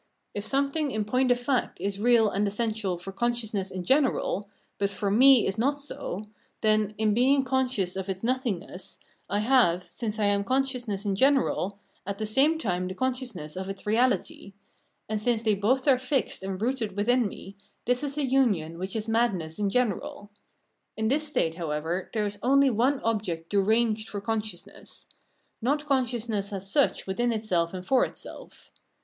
If something in point of fact is real and essential for consciousness in general, but for me is not so, then, in being conscious of its nothingness, I have, since I am consciousness in general, at the same time the consciousness of its reahty ; and since they both are fixed and rooted within me, this is a union which is madness in general. In this state, however, there is only one object deranged for consciousness — not consciousness as such within itself and for itself.